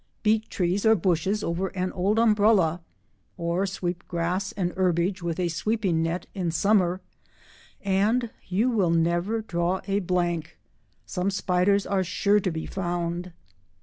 Beat trees or bushes over an old umbrella, or sweep grass and herbage with a sweeping net in summer, and you will never draw a blank—some spiders are sure to be found.